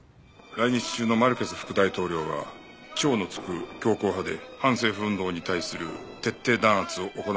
来日中のマルケス副大統領は超のつく強硬派で反政府運動に対する徹底弾圧を行うと宣言している。